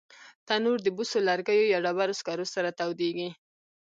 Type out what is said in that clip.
تنور د بوسو، لرګیو یا ډبرو سکرو سره تودېږي